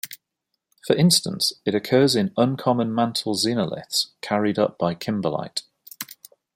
For instance, it occurs in uncommon mantle xenoliths, carried up by kimberlite.